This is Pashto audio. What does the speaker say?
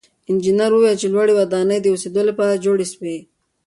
انجنیر وویل چې لوړې ودانۍ د اوسېدو لپاره جوړې سوې.